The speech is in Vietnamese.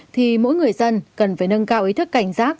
thì mỗi người dân cần phải nâng cao ý thức cảnh giác